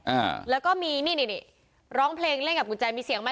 อ่าแล้วก็มีนี่นี่นี่ร้องเพลงเล่นกับกุญแจมีเสียงไหม